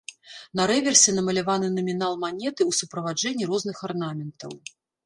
На рэверсе намаляваны намінал манеты ў суправаджэнні розных арнаментаў.